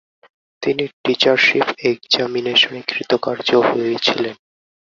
তিনি টিচারশিপ একজামিনেশনে কৃতকার্য হয়েছিলেন।